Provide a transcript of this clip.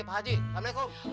pak haji assalamualaikum